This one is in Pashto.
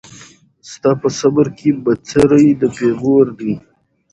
ستا په صبر کي بڅری د پېغور دی